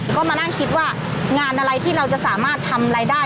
ก็มานั่งคิดว่างานอะไรที่เราจะสามารถทำรายได้